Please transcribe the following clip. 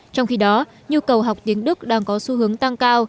trong khi đó nhu cầu học tiếng đức đang có xu hướng tăng cao